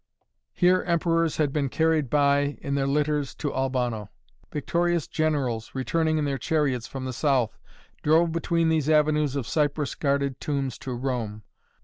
Here emperors had been carried by in their litters to Albano. Victorious generals returning in their chariots from the south, drove between these avenues of cypress guarded tombs to Rome.